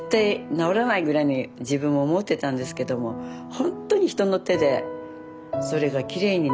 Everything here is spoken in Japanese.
直らないぐらいに自分も思ってたんですけどもほんとに人の手でそれがきれいになったんですよね。